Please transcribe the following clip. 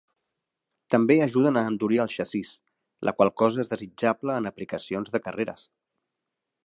També ajuden a endurir el xassís, la qual cosa és desitjable en aplicacions de carreres.